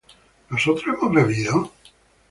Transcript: ¿nosotros hemos bebido?